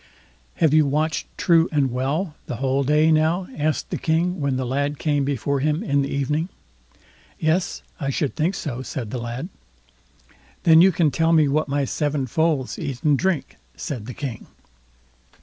"Have you watched true and well the whole day, now?" asked the King, when the lad came before him in the evening. "Yes, I should think so", said the lad. "Then you can tell me what my seven foals eat and drink", said the King.